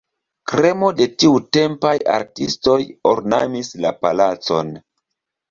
Kremo de tiutempaj artistoj ornamis la palacon.